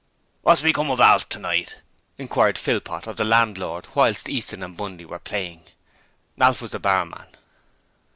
'What's become of Alf tonight?' inquired Philpot of the landlord whilst Easton and Bundy were playing. Alf was the barman.